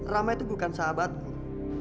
rama itu bukan sahabatnya